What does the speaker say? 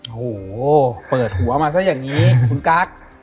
โอ้โหเปิดหัวมาซะอย่างนี้คุณกั๊ก